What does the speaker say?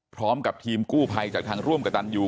พร้อมกับทีมกู้ภัยจากทางร่วมกับตันยู